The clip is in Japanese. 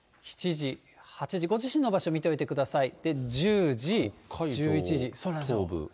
７時、８時、ご自身の場所、見ておいてください。